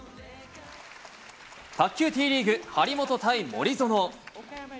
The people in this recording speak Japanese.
卓球Ｔリーグ、張本対森薗。